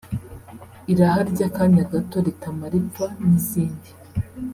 « Irahary’akanya gato ritamara ipfa » n’izindi